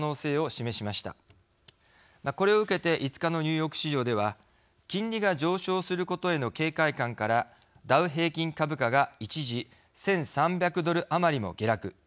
これを受けて５日のニューヨーク市場では金利が上昇することへの警戒感からダウ平均株価が一時１，３００ドル余りも下落。